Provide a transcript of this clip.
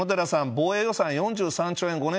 防衛予算４３兆円。